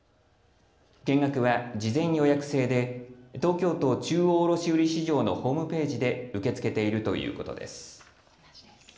見学は、事前予約制で東京都中央卸売市場のホームページで受け付けているということです。